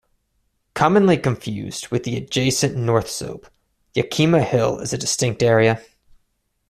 Commonly confused with the adjacent North Slope, Yakima Hill is a distinct area.